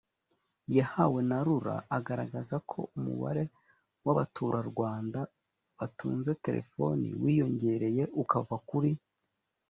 yahawe na rura agaragaza ko umubare w abaturarwanda batunze telefoni wiyongereye ukava kuri